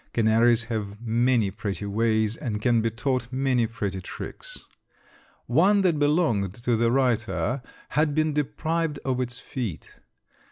Canaries have many pretty ways and can be taught many pretty tricks. One that belonged to the writer had been deprived of its feet.